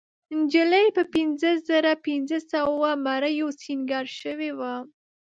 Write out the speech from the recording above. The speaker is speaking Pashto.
نجلۍ په پينځهزرهپینځهسوو مریو سینګار شوې وه.